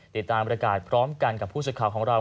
ติดตามบริการพร้อมกันกับผู้สื่อข่าวของเรา